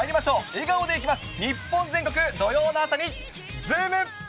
笑顔でいきます。